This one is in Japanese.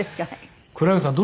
黒柳さん